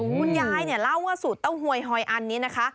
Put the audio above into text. คุณยายเนี่ยเล่าว่าสูตรเต้าหวยหอยอันนี้นะคะ